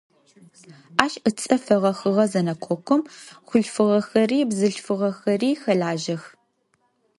Ащ ыцӏэ фэгъэхьыгъэ зэнэкъокъум хъулъфыгъэхэри бзылъфыгъэхэри хэлажьэх.